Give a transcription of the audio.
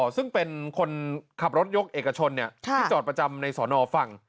ซึ่งเป็นคนขับรถยกเอกชนที่จอดประจำในสอนอฟัง